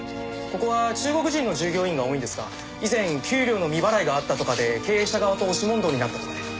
ここは中国人の従業員が多いんですが以前給料の未払いがあったとかで経営者側と押し問答になったとかで。